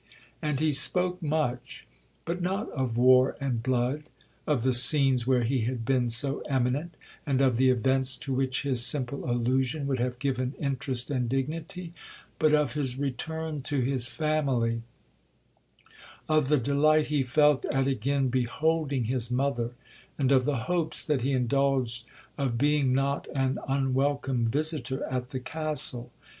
And he spoke much, but not of war and blood, of the scenes where he had been so eminent, and of the events to which his simple allusion would have given interest and dignity,—but of his return to his family, of the delight he felt at again beholding his mother, and of the hopes that he indulged of being not an unwelcome visitor at the Castle.